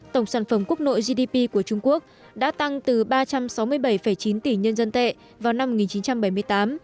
tổng sản phẩm quốc nội gdp của trung quốc đã tăng từ ba trăm sáu mươi bảy chín tỷ nhân dân tệ vào năm một nghìn chín trăm bảy mươi tám